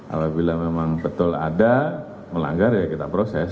apabila memang betul ada melanggar ya kita proses